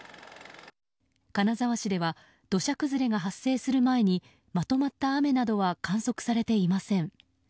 金沢市では土砂崩れが発生する前にまとまった雨などは観測されていません。